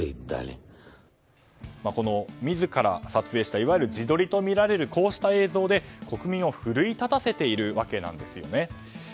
この自ら撮影したいわゆる自撮りとみられるこうした映像で国民を奮い立たせているわけなんですね。